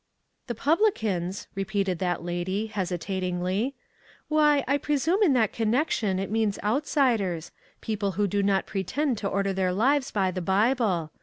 " The publicans," repeated that lady, hesi tatingly; "why, I presume in that connection it means outsiders; people who do not pretend to order their lives by the Bible.